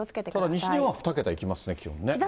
ただ西日本は２桁いきますね、気温ね。